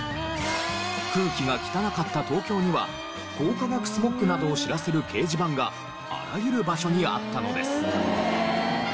空気が汚かった東京には光化学スモッグなどを知らせる掲示板があらゆる場所にあったのです。